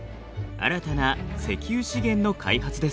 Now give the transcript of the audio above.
新たな石油資源の開発です。